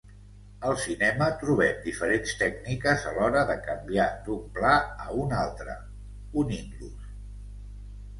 Al cinema trobem diferents tècniques a l'hora de canviar d'un pla a un altre, unint-los.